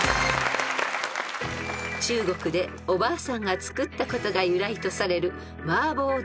［中国でおばあさんが作ったことが由来とされる］